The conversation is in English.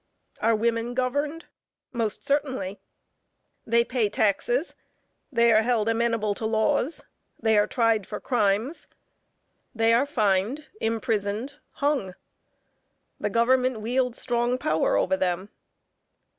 Are women governed? Most certainly; they pay taxes, they are held amenable to laws; they are tried for crimes; they are fined, imprisoned, hung. The government wields strong power over them.